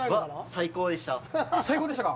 最高でしたか。